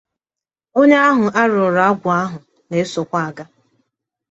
Onye ahụ a rụụrụ agwụ ahụ na-esòkwa aga